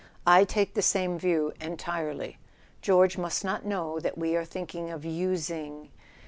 "I take the same view—entirely. George must not know that we are thinking of using